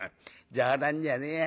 冗談じゃねえや。